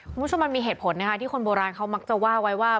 คุณผู้ชมมันมีเหตุผลนะคะที่คนโบราณเขามักจะว่าไว้ว่า